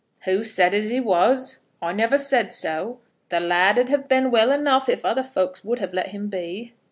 "Who said as he was? I never said so. The lad'd have been well enough if other folks would have let him be."